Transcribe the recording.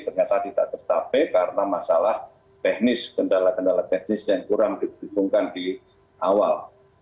ternyata tidak tercapai karena masalah teknis kendala kendala teknis yang kurang dibutuhkan di awal